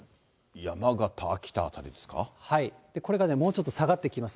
山形、これがもうちょっと下がってきます。